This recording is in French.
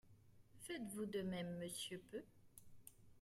Faites-vous de même, monsieur Peu?